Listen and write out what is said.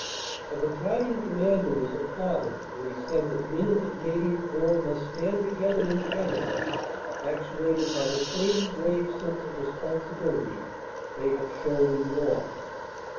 A Battalion Commander was applauded when he said that men of the Canadian Corps must stand together in Canada, actuated by the same grave sense of responsibility they had shown in war.